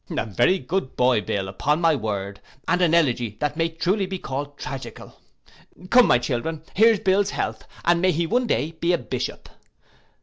'A very good boy, Bill, upon my word, and an elegy that may truly be called tragical. Come, my children, here's Bill's health, and may he one day be a bishop.